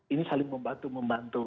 ini saling membantu membantu